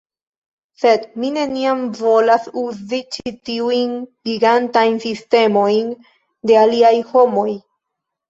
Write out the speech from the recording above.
Sed mi neniam volas uzi ĉi tiujn gigantajn sistemojn de aliaj homoj